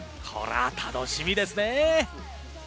これは楽しみですね。